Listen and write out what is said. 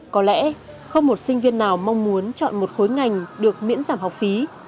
có lẽ không một sinh viên nào mong muốn chọn một khối ngành được miễn giảm học phí